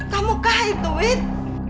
kamu kah itu win